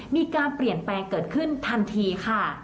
มีการเปลี่ยนแปลงเกิดขึ้นทันทีค่ะ